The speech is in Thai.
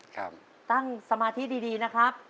ตั้งสมาธิดีนะครับ